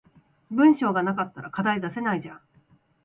文章が無かったら課題出せないじゃん